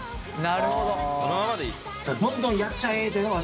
なるほど。